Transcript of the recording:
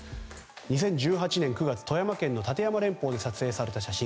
２０１８年９月富山県の立山連峰で撮影された写真。